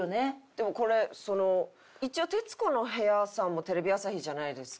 でもこれその一応『徹子の部屋』さんもテレビ朝日じゃないですか。